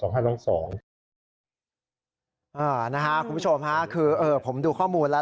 คุณผู้ชมฮะคือผมดูข้อมูลแล้ว